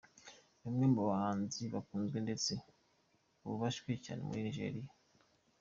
Ni umwe mu bahanzi bakunzwe ndetse bubashywe cyane muri Nigeria.